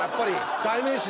代名詞で。